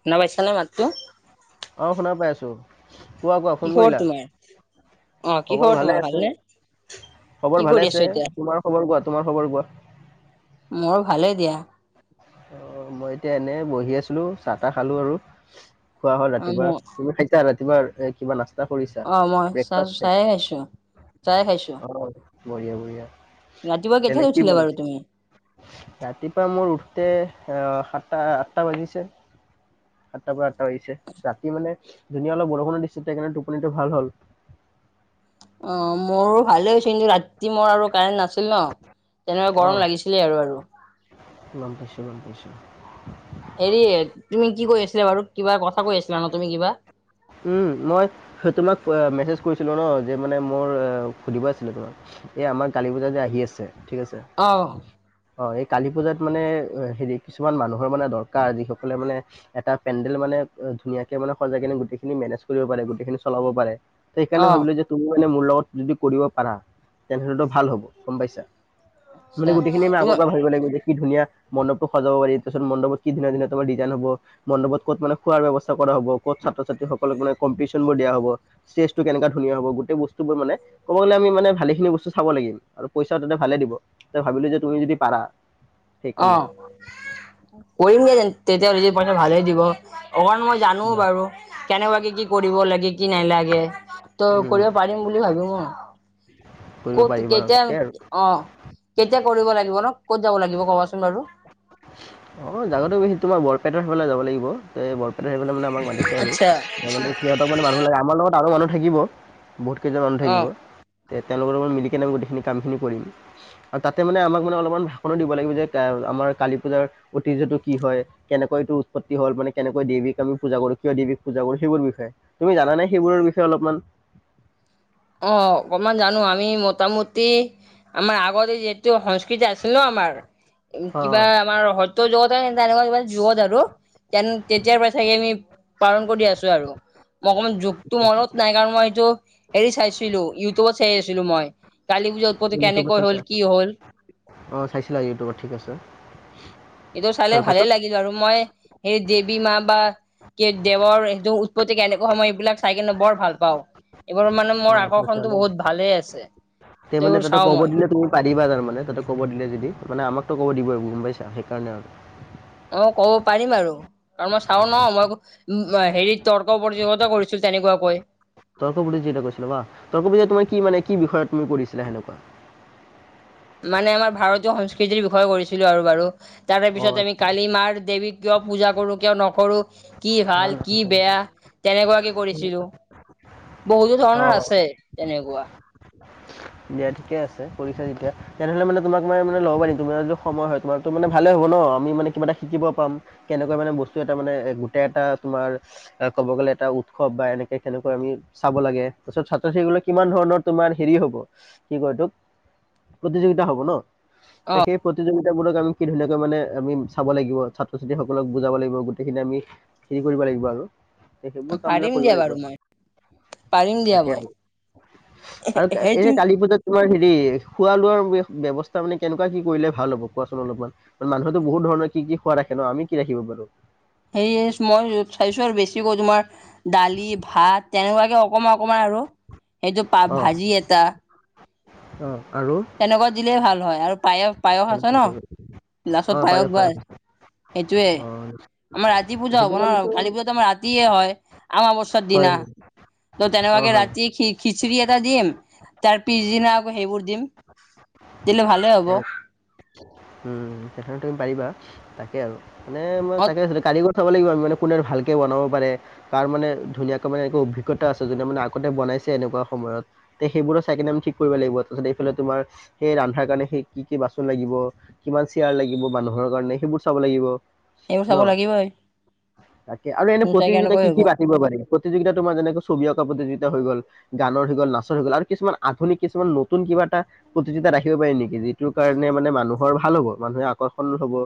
শুনা পাইছানা মাতটো? অ', শুনা পাইছোঁ। কি খবৰ তোমাৰ? অ', কি খবৰ ভালে তোমাৰ আছে ভাল নে? খবৰ ভালে আছে। তোমাৰ খবৰ কোৱা তোমাৰ খবৰ কোৱা। মৰ ভালে দিয়া। অ', মই এতিয়া এনে বহি আছিলোঁ, চাহ তা খালোঁ আৰু। খোৱা হ'ল অ ম ৰাতিপাৰ। তুমি খাইছা ৰাতিপাৰ এ, কিবা নাচ তা, কৰিছা, অ মই ব্ৰেক চাহ ফাছ খাইছ। চাহে খাইছো। চাহে খাইছো। অ', বঢ়িয়া বঢ়িয়া। ৰাতিপুৱা কেইটাত এনে কি উঠিলা বাৰু বনাইছে? তুমি? ৰাতিপা মোৰ উঠ তে আহ, সাতটা আঠটা বাজিছে। সাতটাৰ পৰা আঠটা বাজিছে। ৰাতি মানে ধুনীয়া অলপ বৰষুণ' দিছেটো সেইকাৰণে টোপনিটো ভাল হ'ল। অ', মৰো ভালে হৈছে কিন্তু ৰাতি মই আৰু কাৰেণ্ট নাচ ছিল ন' তেনে আৰু অঁ গৰম লাগিছিলে আৰু আৰু। গম পাইছোঁ, গম পাইছোঁ। হেৰি তুমি কি কৈ আছিলা বাৰু? কিবা কথা কৈ আছিলা ন' তুমি কিবা? উম, মই ধ, তোমাক আ, মেছেজ কৈছিলোঁ ন' যে মানে মোৰ আ, সুধিব আছিলে তোমাক। এই আমাৰ কালি পূজা যে আহি আছে। ঠিক আছে। অ অ', এই কালী পূজাত মানে আ, হেৰি কিছুমান মানুহৰ মানে দৰকাৰ যিসকলে মানে এটা পেণ্ডেল মান তেট, আ, ধুনীয়াকে মানে সজাইকেনে গোটেইখিনি মেনেজ কৰিব পাৰে। গোটেই খিনি চলাব পাৰে। সেইকাৰণে অ। ভাবিলোঁ যে তুমি এনে মোৰ লগত যদি কৰিব পাৰা। তেনেহ'লেটো ভাল হ'ব, গম পাইছা। মানে গোটেইখিনি আমি আগৰ তোমাৰ পৰা ভাবিব লাগিব যে কি ধুনীয়া মণ্ডপটো সজাব পাৰি। তাৰছত মণ্ডপত কি ধুনীয়া ধুনীয়া তোমাৰ ডিজাইন হ'ব। মণ্ডপত ক'ত মানে খোৱাৰ ব্যৱস্থা কৰা হ'ব ক'ত ছাত্ৰ ছাত্ৰীসকলক মানে কম্পটিশ্যন বোৰ দিয়া হ'ব। ষ্টেজটো কেনেকা ধুনীয়া হ'ব গোটে বস্তুবোৰ মানে ক'ব গ'লে আমি মানে ভালেখিনি বস্তুচ চাব' লাগিম আৰু পইচা তাতে ভালে দিব। তে ভাবিলোঁ যে তুমি যদি পাৰা। অ, সেইকাৰণে কৰিমগে তেতিয়া পই ভালেই দিব। অকমান মই জানো বাৰু কেনেকুৱাকে কি কৰিব লাগে, কি নেলাগে। তো উম কৰিব পাৰিম বুলি ভাবো মই কৰিব ক'ত পাৰিবা আৰু কেতিয়া তাকে আৰু অ কে কেতিয়া কৰিব লাগিব নো, ক'ত যাব লাগিব ক'বাচোন বাৰু। অ, জাগাটো বেছি তোমাৰ বৰপেটাৰ ফালে যাব লাগিব এ বৰ সেইফালে মানে আমাক মাতিছে আৰু আচ্ছা তাৰ মানে সিহঁতক মানে মানুহ লাগে, আমাৰ লগত আৰু মানুহ থাকিব। বহুত কেইজন মানুহ থাকিব। অ এ তেওঁলোকৰ লগত মিলিকেনে গোটেইখিনি কামখিনি কৰিম আৰু তাতে মানে আমাক মানে অলমান ভাষণো দিব লাগিব যে আমাৰ কালী পূজাৰ ঐতিহ্যটো কি হয়, কেনেকৈ এইটো উৎপত্তি হ'ল মানে কেনেকৈ দেৱীক আমি পূজা কৰো, কিয় দেৱীক পূজা কৰো সেইবোৰ বিষয়ে। তুমি জানানে সেইবোৰৰ বিষয়ে অলপমান? [inaudible] অ অকমান জানো আমি মোটামুটি আমাৰ আগতে যিটো সং স্কৃতি আছিল ন আমাৰ কিবা অঁ আমাৰ সত্য যুগতে তেনেকুৱা কিবা যুগত আৰু আৰু তেন তেতিয়াৰ পৰাই চাগে আমি পালন কৰি আছো আৰু। মোৰ অকমান যুগটো মনত নাই কাৰণ মই এইটো হেৰি চাইছিলো ইউটিউবত চাই আছিলো মই। কালী পূজা উৎপত্তি ইউটিউবত কেনেকৈ হ'ল চাইছা? কি হ'ল অ, চাইছিলা ইউটিউবত ঠিক আছে। এইটো চালে ভালেই তাৰপাছত লাগিল বাৰু মই সেই দেৱী মা বা কি দেৱৰ এইটো উৎপত্তি কেনেকৈ হ'ল মই এইবিলাক চাই কিনে বৰ ভাল পাওঁ, এইবোৰ মানে মোৰ আগৰ এতিয়া মানে এইবোৰ তাতে চাওঁ ক'ব মই দিলে তুমি পাৰিবা তাৰমা মানে তাতে ক'ব দিলে যদি মানে আমাকটো ক'ব দিবই গম পাইছা সেইকাৰণে আৰু মই ক'ব পাৰিম আৰু কাৰণ মই চাওঁ ন আচ্ছা মই উ হেৰিত তৰ্ক প্ৰতিযোগিতাটো কৰিছো তেনেকুৱাকৈ। তৰ্ক প্ৰতিযোগিতা কৰিছিলা বা তৰ্ক প্ৰতিযোগিতা তোমাৰ কি মানে কি বিষয়ত তুমি কৰিছিলা সেনেকুৱা? মানে আমাৰ ভাৰতীয় সংস্কৃতিৰ বিষয়ে কৰিছিলো আৰু বাৰু। তাৰে পিছত আমি কালি মাৰ দেৱীক কিয় পূজা কৰো, কিয় নকৰো কি ভাল, কি বেয়া তেনেকুৱাকে কৰিছিলো বহুতো অঁ ধৰণৰ অঁ আছে। তেনেকুৱা। দিয়া ঠিক আছে কৰিছা যেতিয়া, তেনেহ'লে মানে তোমাক মই মানে ল'ব পাৰিম তোমাৰটো সময় হয় তোমাৰত মানে ভালে হ'ব হ'ব ন। আমি মানে কিবা এটা শিকিব পাম, কেনেকুৱা মানে বস্তু এটা মানে গোটেই এটা তোমাৰ ক'ব গ'লে লে এটা উৎসৱ বা এনেকে কেনেকৈ আমি চাব লাগে তাৰপাছত ছাত্ৰ-ছাত্ৰীসকলৰ কিমান ধৰণৰ তোমাৰ হেৰি হ'ব কি কয় এইটোক প্ৰতিযোগিতা হ'ব ন তে অ সেই প্ৰতিযোগি শিক্ষামূলক আমি কি ধুনিয়াকে মানে আমি চাব লাগিব, ছাত্ৰ-ছাত্ৰীসকলক বুজাব লাগিব গোটেইখিনি আমি কি কৰিব লাগিব আৰু সেইবোৰ কাম বিলাক পাৰিম কৰিব দিয়া লাগিব বাৰু আৰু। মই পাৰিম দিয়া তাকে, মই আৰু সেইটো এনে কালী পূজাত তোমাৰ হেৰি খোৱা-লোৱাৰ ব্যৱস্থা মানে কেনেকুৱা কি কৰিলে ভাল হ'ব কোৱাচোন অলপমান? মানুহটো বহুত কোন ধৰণৰ কি কি খোৱা ৰাখে ন আমি কি ৰাখিব পাৰো? সেই মই চাইছো আৰু বেছিকৈ তোমাৰ দালি, ভাত তেনেকুৱাকে অকমান অকমান আৰু এইটো পা অ। ভাজি এটা অ। আৰু তেনেকুৱা দিলেই ভাল হয় আৰু পায়স পায়স আছে ন লাস্তত পায়স বা সেইটোৱে, অ আমাৰ ৰাতি পূজা সেইটো হ'ব কাৰণেতো ন' কালী পূজাতো আমাৰ ৰাতিয়ে হয়। অমাবস্যাৰ দিনা হয় হয় তো অ তেনেকুৱাকে হয়। ৰাতি খি খিচিৰি এটা দিম তাৰ পিছদিনা আকৌ সেইবোৰ দিম। দিলে ভালেই হ'ব। উম, সেইকাৰণে তুমি পাৰিবা তাকে আৰু মানে মই অ তাকে ভাবিছিলো কালি চাব লাগিব আমি মানে কোনে ভালকে বনাব পাৰে, কাৰ মানে ধুনিয়াকে মানে এইটো অভিজ্ঞতা আছে জোনে মানে আগতে বনাই আছে এনেকুৱা সময়ত তে সেইবোৰ চাই কেনে আমি ঠিক কৰিব লাগিব। এইফালে তোমাৰ সেই ৰান্ধাৰ কাৰণে সেই কি কি কি বাচন লাগিব, কিমান চেয়াৰ লাগিব মানুহৰ কাৰণে সেইবোৰ চাব লাগিব। সেইবোৰ ন চাব লাগিবই। তাকে আৰু এনে মোৰ চাগে প্ৰতিযোগিতা এনেকৈ কি হ'ব কি পাতিব পাৰি প্ৰতিযোগিতা তোমাৰ যেনেকৈ ছবি অঁকা প্ৰতিযোগি তা হৈ গ'ল, গানৰ হৈ গ'ল, নাচৰ হৈ গ'ল আৰু কিছুমান আধুনিক কিছুমান নতুন কিবা এটা প্ৰতিযোগিতা ৰাখিব পাৰি নি? যিটোৰ কাৰণে মানে মানুহৰ ভাল হ'ব, মানুহে আকৰ্ষণ হ'ব,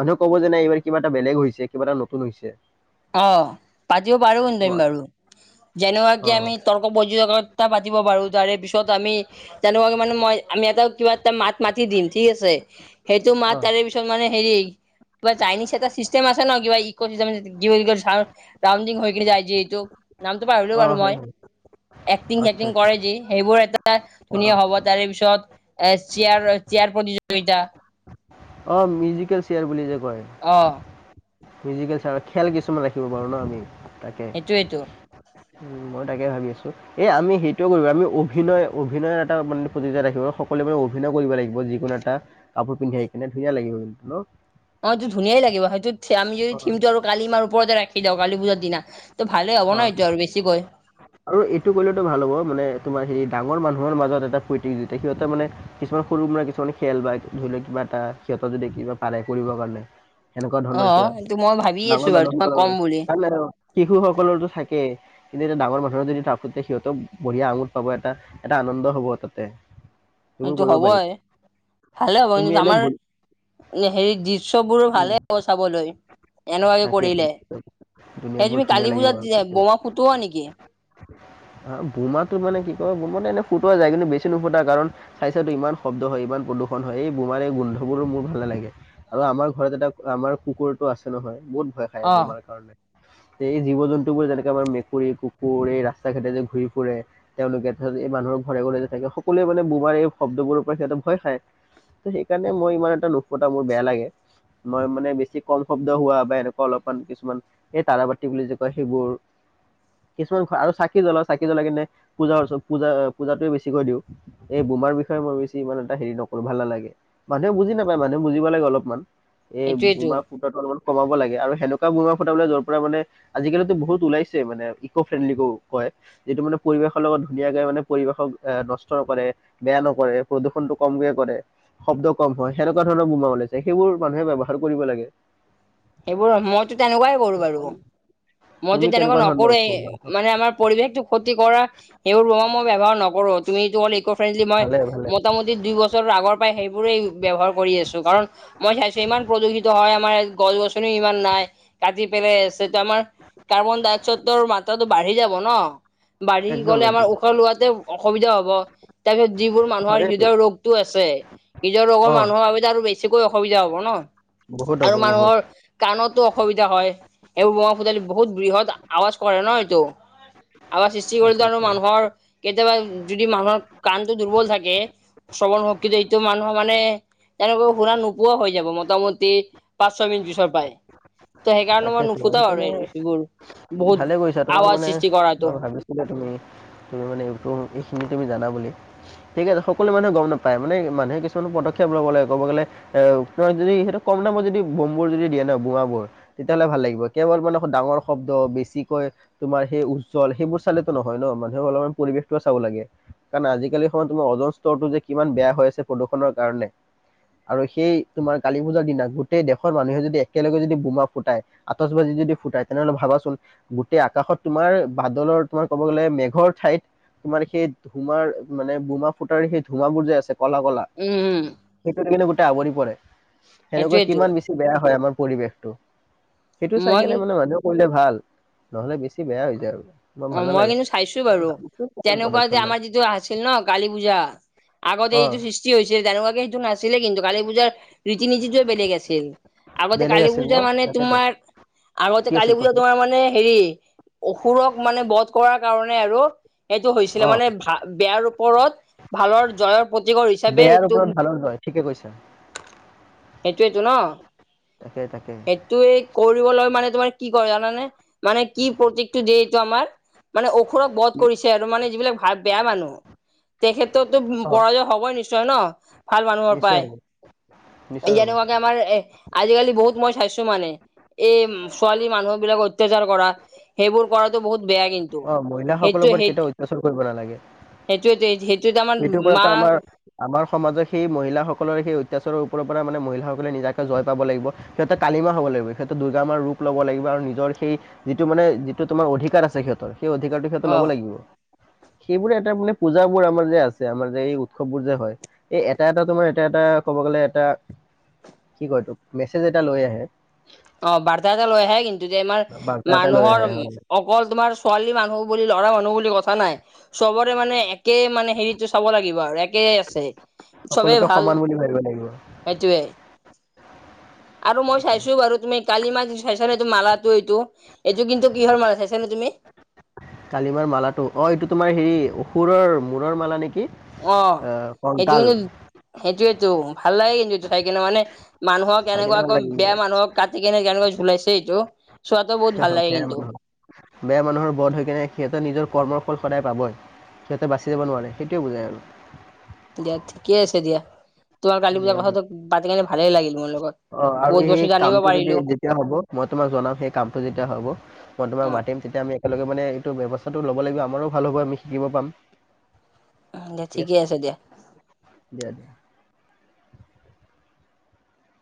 মানুহে ক'ব যেনে এইবাৰ কিবা এটা বেলেগ হৈছে, কিবা এটা নতুন হৈছে। অ' পাতিবো পাৰোঁ কিন্তু অ বাৰো। অ যেনেকুৱাকে আমি তৰ্ক প্ৰতিযোগিতা পাতিব পাৰোঁ তাৰে পিছত আমি তেনেকুৱাকে মানে মই আমি এটা কিবা এটা মাত মাতি দিম ঠিক আছে, সেইটো মাত অ তাৰে পিছত মানে হেৰি কিবা চাইনিজ এটা চিষ্টেম আছে ন' কিবা ইক'চিজম কি বুলি কয় লামদিং হৈ কিনে যাই যে এইটো, নামটো পাহৰিলোঁ অ বাৰু হয় মই। হয় এক্টিং আচ্ছা চেক্টিং আচ্ছা কৰে যি সেইবোৰ এটা অ অ ধুনীয়া হ'ব তাৰে পিছত এ, চিয়াৰ চিয়াৰ প্ৰতিযোগিতা অ' মিউজিকেল চিয়াৰ বুলি যে কয় অ'। মিউজিকেল চিয়াৰ, খেল কিছুমান ৰাখিব পাৰোঁ ন' আমি তাকে। সেইটোয়েইটো মই তাকে ভাবি আছোঁ। এই আমি সেইটোয়ে কৰিব আমি অভিনয় অভিনয় এটা মানে প্ৰতিযোগিতা ৰাখিব সকলোৱে মানে অভিনয় কৰিব লাগিব যিকোনো এটা কাপোৰ পিন্ধি আহি কেনে ধুনীয়া লাগিব কিন্তু ন'। অ' এইটো ধুনীয়াই লাগিব, সেইটো আমি যদি অঁ থিমটো আৰু কালি মাৰ ওপৰতে ৰাখি দিওঁ কালি পূজাৰ দিনা ত' ভালে যাব ন' অঁ এইটো আৰু বেছিকৈ। আৰু এইটো কৰিলেতো ভাল হ'ব মানে তোমাৰ হেৰি ডাঙৰ মানুহৰ মাজত এটা প্ৰতিযোগিতা, সিহঁতে মানে কিছুমান সৰু ল'ৰা কিছুমান খেল বা ধৰি লওক কিবা এটা সিহঁত যদি কিবা পাৰে কৰিবৰ কাৰণে। সেনেকুৱা অ ধৰণৰ কিবা, সেইটো মই ভাবি আছো ডাঙৰ বাৰু তোমাক মানুহসকলৰ ক'ম বুলি কাৰণ শিশুসকলৰো থাকেই। কিন্তু এতিয়া ডাঙৰ মানুহৰ যদি তাৰপতি সিহঁতক বঢ়িয়া আমুদ পাব এটা, এটা আনন্দ হ'ব তাতে। সেইবোৰ সেইটো কৰিব পাৰি হ'বই, ভালে হ'ব কি তুমি এনে আমাৰ হেৰি দৃশ্যবোৰ উম, ভালে হ'ব চাবলৈ এনেকুৱা তাকেই কৰিলে। এই দুনীয়াবোৰ তুমি ধুনীয়া কালি লাগিব আৰু পূজাত দেখিবলৈ। বমা ফুটোৱা নেকি? বোমাটো মানে কি কয় বোমাটো এনে ফুটোৱা যায় কিন্তু বেছি নুফুটা কাৰণ চাইচাটো ইমান শব্দ হয় ইমান প্ৰদূষণ হয়, এই বোমাৰো গোন্ধবোৰো মোৰ ভালে নালাগে আৰু আমাৰ ঘৰত এটা আমাৰ কুকুৰটো আছে নহয় বহুত ভয় খাই অ বমাৰ কাৰণে। এই জীৱ জন্তুবোৰ যেনেকে আমাৰ মেকুৰী, কুকুৰ এই ৰাস্তা ঘাটে যে ঘূৰি ফুৰে তেওঁলোকে এই মানুহৰ ঘৰে ঘৰে যে থাকে সকলোৱে মানে বোমাৰ এই শব্দবোৰৰপৰা সিহঁতে ভয় খায়। ত' সেইকাৰণে মই ইমান এটা নুফুটা, মোৰ বেয়া লাগে। মই মানে বেছি কম শব্দ হোৱা বা এনেকুৱা অলপমান কিছুমান এই তাৰাবাতি বুলি যে কয় সেইবোৰ কিছুমানৰ আৰু চাকি জ্বলা, চাকি জ্বলাই কিনে পূজাৰ পজা-পূজোটোৱে বেছিকৈ কৰি দিওঁ এই বোমাৰ বিষয়ে মই বেছি ইমান এটা হেৰি নকৰোঁ, ভাল নালাগে মানুহে বুজি নাপায়, মানুহে বুজিব লাগে অলপমান। এই সেইটোৱেইটো বোমা ফুটাটো অলপমান কমাব লাগে আৰু সেনেকুৱা বুমা ফুটাবলৈ য'ৰপৰা মানে আজিকালিতো বহুত ওলাইছে মানে ইক'ফ্ৰেণ্ডলি কয়। যিটো মানে পৰিৱেশৰ লগত ধুনীয়াকে মানে পৰিৱেশক এ, নষ্ট নকৰে, বেয়া নকৰে প্ৰদূষণটো। কমকে কৰে, শব্দ কম হয়, সেনেকুৱা ধৰণৰ বোমা ওলাইছে সেইবোৰ মানুহে ব্যৱহাৰ কৰিব লাগে। সেইবোৰ মইতো তেনেকুৱাই কৰোঁ বাৰু। মইতো তুমি তেনেকুৱা কেনেকুৱা ধৰণৰ নকৰোৱে, এই বোমা? মানে আমাৰ পৰিৱেশতো ক্ষতি কৰা সেইবোৰপৰা মই ব্যৱহাৰ নকৰোঁ। তুমিটো হ'ল ইক'ফ্ৰেণ্ডলি, মই ভালে ভালে মোটামুটি দুই বছৰ আগৰ পৰাই এইবোৰেই ব্যৱহাৰ কৰি আছোঁ কাৰণ মই চাইছোঁ ইমান প্ৰদূষিত হয়, আমাৰ ইয়াত গছ গছনিও ইমান নাই। কাজি পেলে সেইটো আমাৰ কাৰ্বন ডাই অক্সাইডৰ মাত্ৰাটো বাঢ়ি যাব ন' বাঢ়ি একদম গলে আমাৰ একদম উখা লোৱাতে অসুবিধা হ'ব, তাৰপিছত যিবোৰ মানুহৰ হয়টো হৃদয়ৰ ৰোগতটো আছে। নিজৰ ৰোগৰ অ মানুহৰ বাবে আৰু বেছিকৈ অসুবিধা হ'ব ন' বহুত হ'ব আৰু বহুত মানুহৰ কাণত টো অসুবিধা হয়, এইেইবোৰ বঙা পুতালি বহুত বৃহৎ আৱাজ কৰে ন' এইটো। আৱাজ সৃষ্টি কৰিলেতো আৰু তাকেতো মানুহৰ কেতিয়াবা যদি মানুহৰ কাণটো দুৰ্বল থাকে শ্ৰৱণ শক্তিটো এইটো মানুহৰ মানে তেনেকোৱা শুনা নোপোৱা হৈ যাব মোটামুটি পাঁচ ছয় মিনিট পিছৰ পাই। ত, সেইকাৰণে মই তাকেতো নুফুটাও আৰু সেইকাৰণে এই সেবোৰ। ভালে কৰিছা, তোমাৰ মানে মই ভাবিছিলো তুমি তুমি মানে এইখিনি তুমি জানা বুলি, ঠিক আছে সকলো মানুহে গম নাপায় মানে মানুহে কিছুমান পদক্ষেপ ল'ব লাগে কব গ'লে এ, ওপৰত যদি সেইটো কম দামত যদি বোমবোৰ যদি দিয়ে ন বোৱাবোৰ তেতিয়া তেলে ভাল লাগিব কেৱল মানে ডাঙৰ শব্দ বেছিকৈ তোমাৰ সেই উজ্জ্বল সেইবোৰ চালেতো নহয় ন, মানুহে অলপমান পৰিৱেশটোওঁ চাব লাগে কাৰণ আজি আজিকালি সময় তোমাৰ অ'জন স্তৰটো যে কিমান বেয়া হৈ আছে প্ৰদূষণৰ কাৰণে। আৰু সেই তোমাৰ কালী পূজাৰ দিনা গোটেই দেশৰ মানুহে যদি একেলগে যদি বোমা ফুটাই আটচবাদি যদি ফুটাই তেনেহ'লে ভাবাচোন গোটেই আকাশত তোমাৰ বাদলৰ তোমাৰ ক'ব গ'লে মেঘৰ ঠাইত তোমাৰ সেই ধোমাৰ মানে বোমা ফুটাৰ সেই ধোমাবোৰ যে আছে কলা কলা, উম উম সেইটো কিন্তু গোটেই আৱৰি পৰে, সেনেকুৱা সেইটোয়েতো কিমান বেছি বেয়া হয় আমাৰ পৰিৱেশটো সেইটো চাই মই কিন্তু কেনে মানে মানুহ কৰিলে ভাল নহ'লে বেছি বেয়া হৈ যায় আৰু। মোৰ ভাল অ' মই নালাগে কিন্তু চাইছো মই বাৰু ভাবিছো কোন তেনেকুৱা যে পদক্ষেপ ল'ম আমাৰ যিটো আছিল ন, কালি পূজা আগতে অ এইটো সৃষ্টি হৈছিল তেনেকুৱাকে সেইটো নাছিলে কিন্তু কালি পূজাৰ ৰীতি নীতিটোৱে বেলেগ আছিল। আগতে বেলেগ কালি আছিল ন পূজা মানে তাকেতো তোমাৰ আগতে কি কালি আছিল পূজা কোৱাচোন তোমাৰ মানে হেৰি অসুৰক মানে বধ কৰাৰ কাৰণে আৰু এইটো হৈছিলে অ মানে ভা বেয়া ৰূপ ওপৰত ভালৰ জয়ৰ প্ৰতিকৰ হিচাপে বেয়াৰ হেইটো ওপৰত ভালৰ জয় ঠিকে কৈছা সেইটোৱেইতো ন? তাকে তাকে সেইটো কৰিবলৈ মানে তোমাৰ কি কৰে জানানে মানে কি প্ৰতীকটো দিয়ে এইটো আমাৰ? মানে অসুৰক বধ কৰিছে আৰু মানে যিবিলাক ভাত বেয়া মানুহ। তেখেতৰতো অ পৰাজয় হবই নিশ্চয় ন? ভাল মানুহৰ নিশ্চয় পায় হ'ব নিশ্চয় হ'ব যেনেকুৱাকে আমাৰ এ আজিকালি বহুত মই চাইছো মানে এই ছোৱালী মানুহ বিলাকক অত্যাচাৰ কৰা সেইবোৰ কৰাতো বহুত বেয়া কিন্তু অ মহিলাসকলৰ সেইটোোৱে ওপৰত সেই কেতিয়াও অত্যাচাৰ সেইটোয় সেই সেইটোৰ পৰাতো আমাৰ আমাৰ সমাজত সেই মহিলাাসকলৰ সেই অত্যাচাৰৰ ওপৰত মানে মহিলাসকলে নিজাকে জয় প লাগিব সিহঁতে কালিমা হব লাগিব সিহঁতে দুৰ্গা ৰূপ লব লাগিব আৰু নিজৰ সেই যিটো মানে যিটো তোমাৰ অধিকাৰ আছে সিহঁতৰ সেই অধিকাৰটোো সিহঁত অ ল'ব লাগিব সেইবোৰে এটা মানে পূজা বোৰ আমাৰ যে ছে আমাৰ যে এই উৎসৱবোৰ যে হয় এই এটা এটা তোমাৰ এটা এটা ক'ব গলে এটা কি কয় তোক মেছেজ এটা লৈ আহে অ বাৰ্তা এটা লৈ আহে কিন্তু আমাৰ বাৰ্তা এটা লৈ মানুহৰ আহে হয় অকল তোমাৰ ছোৱালী মানুহ বুলি ল'ৰা মানুহ বুলি কথা নাই চবৰে মানে একে মানে হেৰিত চাব লাগিব আৰু একে আছে চবেই সকলোকে ভাল সমান বুলি ভাবিব লাগিব সেইটোৱে আৰু মই তাকে চাইছো বাৰু তুমি কালি ম চাইছ নে এইটো মালাটো এইটো এইটো কিন্তু কিহৰ মালা চাইছ নে তুমি তালিমাৰ মালাটো অ এইটো তোমাৰ হেৰি অসুৰৰ মূৰৰ মালা নেকি অ আহ সেইটো কংকাল কিন্তু সেইটোয়েইটো ভাল লাগে কিন্তু এইটো চাই কিনে মানে মানুহক চাই এনেকুৱা কেনে ভাল আকৌ লাগিল বেয়া মানুহক কাটি কেনে কেনেকৈ লাইছে এইটো চোৱাটো বহুত বেয়া ভাল লাগে কিন্তু মানুহৰ বেয়া মানুহৰ বধ হৈ কেনে সিহঁতৰ নিজৰ কৰ্মৰ ফল সদায় পাবই সিহঁতে বাচি যাব নোৱাৰে সেইটোৱে বুজায় আৰু দিয়া ঠিকে আছে দিয়া তোমাৰ গালি পূজাৰ দিয়া দিয়া। কথাটো পাতি কেনে ভালেই লাগিল মোৰ লগত অ আৰু বহুত বস্তু সেই জানিব কামটো যদি পাৰিলো যেতিয়া হব মই তোমাক জনাম সেই কামটো যেতিয়া হব মই তোমাক অ মাতিম তেতিয়া আমি তেওঁলোকে মানে এইটো ব্যৱস্থাটো ল'ব লাগিব আমাৰো ভাল হ'ব আমি শিকিব পাম উ দিয়া ঠিকে আছে দিয়া দিয়া দিয়া